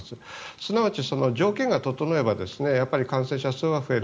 すなわち、条件が整えば感染者数は増える。